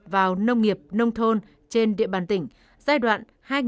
vào nông nghiệp nông thôn trên địa bàn tỉnh giai đoạn hai nghìn một mươi sáu hai nghìn hai mươi